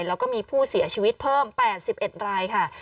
แล้วก็มีผู้เสียชีวิตเพิ่ม๘๑รายค่ะ